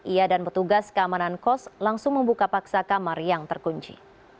ia dan petugas keamanan kos langsung membuka paksa kamar yang terkunci